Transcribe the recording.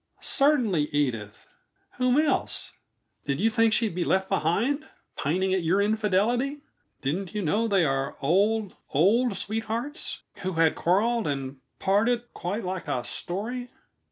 "Certainly, Edith. Whom else? Did you think she would be left behind, pining at your infidelity? Didn't you know they are old, old sweethearts who had quarreled and parted quite like a story?